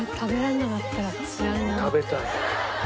食べたい！